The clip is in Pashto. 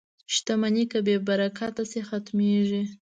• شتمني که بې برکته شي، ختمېږي.